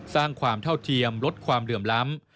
สร้างความเท่าเทียมลดความเหลื่อมล้ำ